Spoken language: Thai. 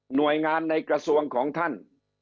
หน่วยงานในกระทรวงของท่าน